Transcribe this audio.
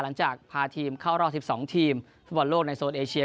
หลังจากพาทีมเข้ารอบ๑๒ทีมฟุตบอลโลกในโซนเอเชีย